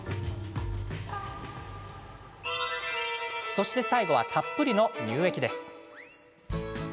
そして最後はたっぷりの乳液です。